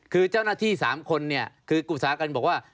คือเจ้าหน้าที่๓คนเนี่ยคืออุตสาหกรรมบอกว่า